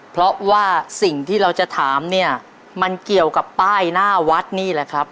เพราะว่าสิ่งที่เราจะถามเนี่ยมันเกี่ยวกับป้ายหน้าวัดนี่แหละครับ